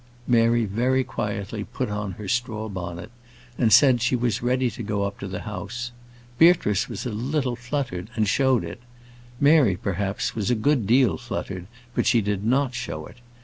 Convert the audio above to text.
Mary very quietly put on her straw bonnet, and said she was ready to go up to the house. Beatrice was a little fluttered, and showed it. Mary was, perhaps, a good deal fluttered, but she did not show it.